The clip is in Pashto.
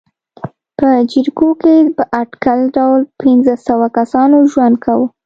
په جریکو کې په اټکلي ډول پنځه سوه کسانو ژوند کاوه.